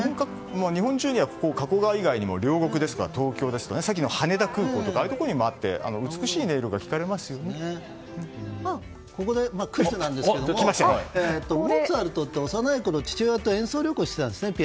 日本中には加古川以外にも東京の両国ですとかさっきの羽田空港とかああいうところにもあってここでクイズですがモーツァルトって幼いころ父親とピアノの演奏旅行をやってたんです。